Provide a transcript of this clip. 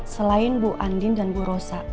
selain bu andin dan bu rosa